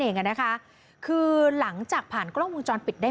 พี่บ๊ายพี่บ๊ายพี่บ๊ายพี่บ๊าย